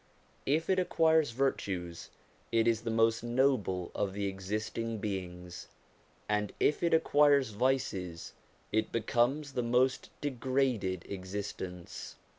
If it acquires virtues it is the most noble of the existing beings, and if it acquires vices it becomes the most degraded existence.